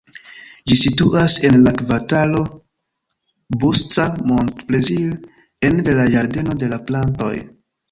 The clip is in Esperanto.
Ĝi situas en la kvartalo Busca-Montplaisir, ene de la Ĝardeno de la Plantoj.